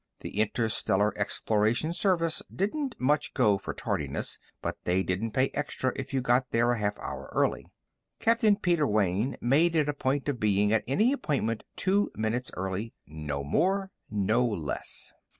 The Interstellar Exploration Service didn't much go for tardiness, but they didn't pay extra if you got there a half hour early. Captain Peter Wayne made it a point of being at any appointment two minutes early no more, no less.